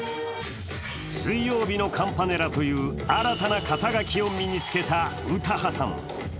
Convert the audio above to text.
水曜日のカンパネラという新たな肩書きを身につけた詩羽さん。